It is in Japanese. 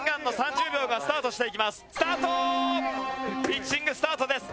ピッチングスタートです。